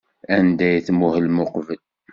Anda ay tmuhlemt uqbel?